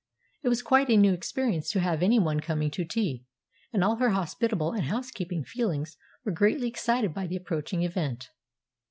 It was quite a new experience to have any one coming to tea; and all her hospitable and housekeeping feelings were greatly excited by the approaching event.